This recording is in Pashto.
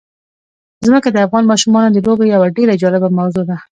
ځمکه د افغان ماشومانو د لوبو یوه ډېره جالبه موضوع ده.